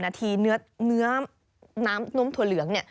๒๐นาทีเนื้อน้ำนมถั่วเหลือง